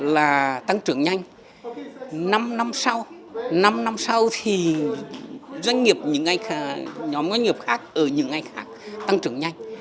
là tăng trưởng nhanh năm năm sau năm năm sau thì doanh nghiệp những nhóm doanh nghiệp khác ở những ngành khác tăng trưởng nhanh